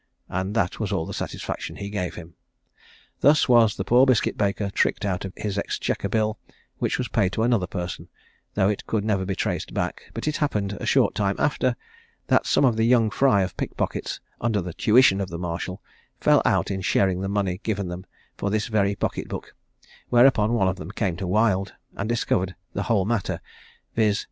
and that was all the satisfaction he gave him. Thus was the poor biscuit baker tricked out of his exchequer bill, which was paid to another person, though it could never be traced back; but it happened a short time after, that some of the young fry of pickpockets, under the tuition of the marshal, fell out in sharing the money given them for this very pocket book; whereupon one of them came to Wild, and discovered the whole matter, viz.